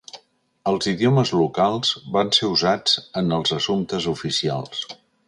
Els idiomes locals van ser usats en els assumptes oficials.